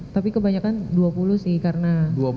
tapi kebanyakan dua puluh sih karena